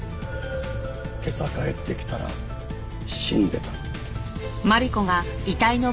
今朝帰ってきたら死んでた。